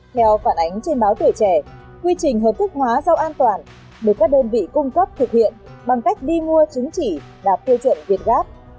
theo phản ánh trên báo tuổi trẻ quy trình hợp thức hóa rau an toàn được các đơn vị cung cấp thực hiện bằng cách đi mua chứng chỉ đạt tiêu chuẩn việt gáp